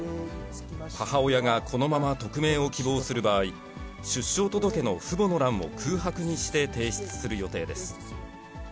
母親がこのまま匿名を希望する場合、出生届の父母の欄を空白にして提出する予定です。